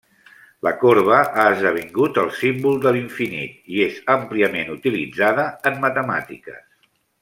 La corba ha esdevingut el símbol de l'infinit i és àmpliament utilitzada en matemàtiques.